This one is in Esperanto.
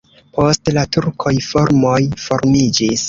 Post la turkoj farmoj formiĝis.